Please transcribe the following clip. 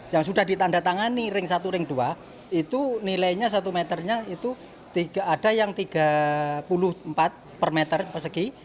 yang sudah ditanda tangani ring satu ring dua itu nilainya satu meternya itu ada yang tiga puluh empat per meter persegi